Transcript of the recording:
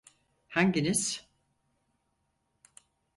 Hanginiz?